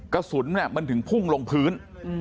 กระสุนมันถึงพุ่งลงพื้น